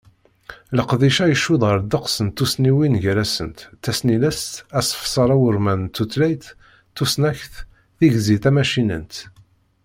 Leqdic-a, icudd ɣer ddeqs n tussniwin gar-asent: Tasnilest, asefser awurman n tultayt, tusnakt, tigzi tamacinant.